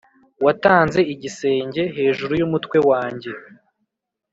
watanze igisenge hejuru yumutwe wanjye,